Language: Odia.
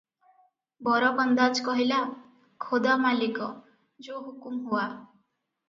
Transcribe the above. "ବରକନ୍ଦାଜ କହିଲା, "ଖୋଦା ମାଲିକ, ଯୋ ହୁକୁମ ହୁଆ ।"